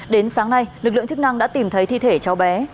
đến sáng nay lực lượng chức năng đã tìm thấy thi thể cháu bé